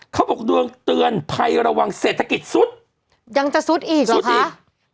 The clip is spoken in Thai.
เขาบอกดวงเตือนภัยระวังเศรษฐกิจซุดยังจะซุดอีกเหรอซุดอีก